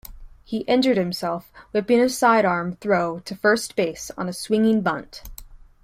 He injured himself, whipping a sidearm throw to first base on a swinging bunt.